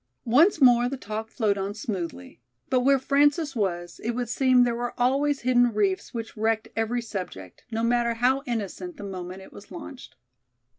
Once more the talk flowed on smoothly. But where Frances was, it would seem there were always hidden reefs which wrecked every subject, no matter how innocent, the moment it was launched.